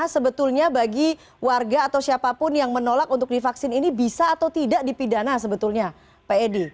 sebetulnya bagi warga atau siapapun yang menolak untuk divaksin ini bisa atau tidak dipidana sebetulnya pak edi